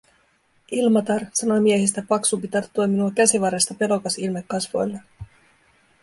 "Ilmatar", sanoi miehistä paksumpi tarttuen minua käsivarresta pelokas ilme kasvoillaan.